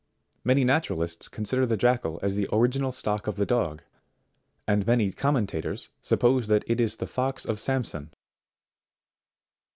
Many naturalists consider the Jackal as the original stock of the dog ; and many commentators suppose that it is the fox of Sampson.